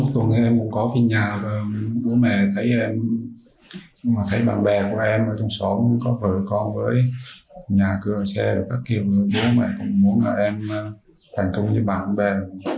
trong xóm có vợ con với nhà cửa xe và các kiểu bố mẹ cũng muốn là em thành công như bạn bè